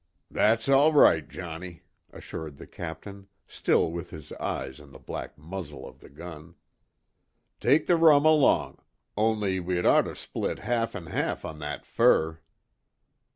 "That's all right, Johnnie," assured the Captain, still with his eyes on the black muzzle of the gun. "Take the rum along only, we'd ort to split half an' half on that fur."